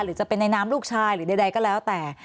หรือจะเป็นในน้ำลูกชายหรือใดก็แล้วแต่